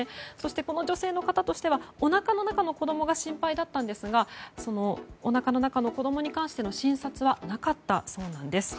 この女性の方としてはおなかの中の子供が心配だったんですがそのおなかの子供に関しての診察はなかったそうなんです。